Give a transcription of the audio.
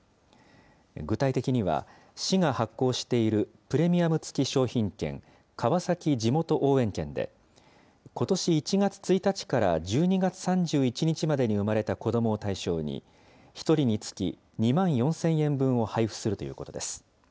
具体的には、市が発行しているプレミアム付き商品券、川崎じもと応援券で、ことし１月１日から１２月３１日までに産まれた子どもを対象に、１人につき２万４０００円分を配布するということです。